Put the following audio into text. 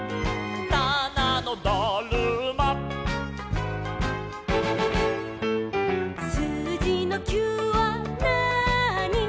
「たなのだるま」「すうじの９はなーに」